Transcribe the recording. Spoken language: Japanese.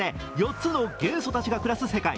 ４つの元素たちが暮らす世界。